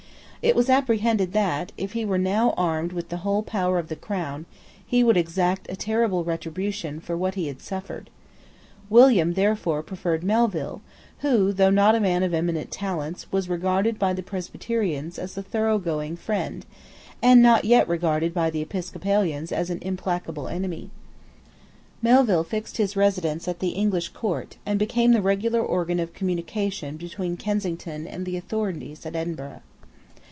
It was apprehended that, if he were now armed with the whole power of the Crown, he would exact a terrible retribution for what he had suffered, William therefore preferred Melville, who, though not a man of eminent talents, was regarded by the Presbyterians as a thoroughgoing friend, and yet not regarded by the Episcopalians as an implacable enemy. Melville fixed his residence at the English Court, and became the regular organ of communication between Kensington and the authorities at Edinburgh.